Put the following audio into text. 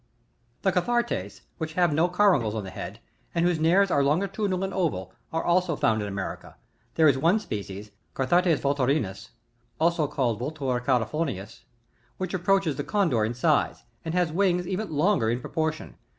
20. The Cathartes, which have no caruncles on the head, and whose nares are longitudinal and oval, are also found in America ; there is one species ( Cathartes Vulturinus, also called Vultur Califartiianiis,) wliich approaches to the Condor in size, and has wings, even longer, in proportion.